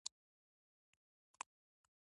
زیارت کوونکي په کې نفلونه او تلاوتونه کوي.